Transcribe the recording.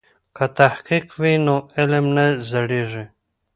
که تحقیق وي نو علم نه زړیږي.